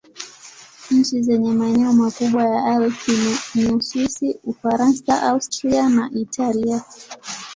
Nchi zenye maeneo makubwa ya Alpi ni Uswisi, Ufaransa, Austria na Italia.